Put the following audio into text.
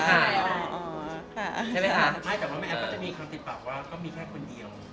ใช่ไหมคะแม่แอ๊บก็จะมีคำติดปากว่าเขามีแค่คนเดียว